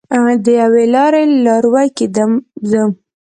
د یوې لارې لاروی کیدم زه